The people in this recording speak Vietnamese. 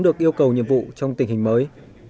được yêu cầu nhiệm vụ trong tình hình mới